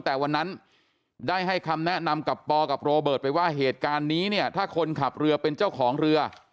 แต่วันนั้นได้ให้คำแนะนำกับปอกับโรเบิร์ตไปว่าเหตุการณ์นี้เนี่ยถ้าคนขับเรือเป็นเจ้าของเรือ